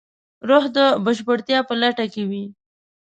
روح د بشپړتیا په لټه کې وي.